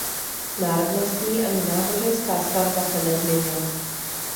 Národnostní ani náboženská skladba se nezměnila.